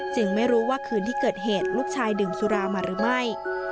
ไม่รู้ว่าคืนที่เกิดเหตุลูกชายดื่มสุรามาหรือไม่